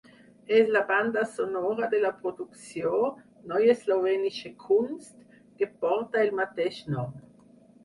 És la banda sonora de la producció "Neue Slowenische Kunst" que porta el mateix nom.